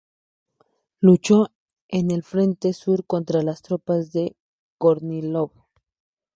Luchó en el frente sur contra las tropas de Kornílov.